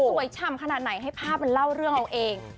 ฉ่ำขนาดไหนให้ภาพมันเล่าเรื่องเอาเอง